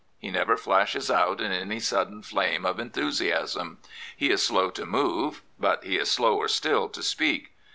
He never flashes out in any sudden flame of enthusiasm. He is slow to move; but he is slower still to speak.